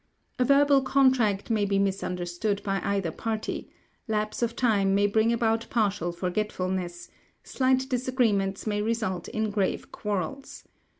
A verbal contract may be misunderstood by either party; lapse of time may bring about partial forgetfulness; slight disagreements may result in grave quarrels.